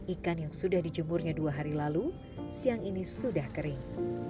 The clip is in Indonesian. ikan yang sudah dijemurnya dua hari lalu siang ini sudah kering